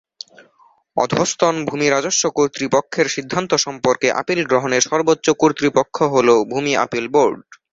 অধস্তন ভূমি রাজস্ব কর্তৃপক্ষের সিদ্ধান্ত সম্পর্কে আপিল গ্রহণের সর্বোচ্চ কর্তৃপক্ষ হলো ভূমি আপিল বোর্ড।